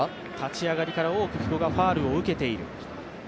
立ち上がりから多く久保がファウルを受けている。